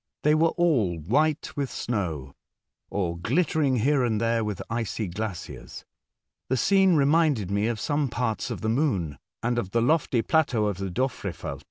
Tbey were all wbite witb The Ice Island, 103 snow, or glittering here and there with, icy glaciers. The scene reminded me of some parts of the Moon, and of the lofty plateau of the Dofrefeld.